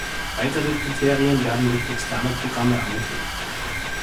Weitere Kriterien werden durch externe Programme ermittelt.